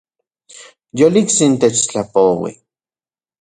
Yoliktsin techtlapoui